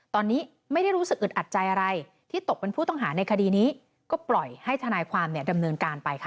ตอนนี้ไม่ได้รู้สึกอึดอัดใจอะไรที่ตกเป็นผู้ต้องหาในคดีนี้ก็ปล่อยให้ทนายความดำเนินการไปค่ะ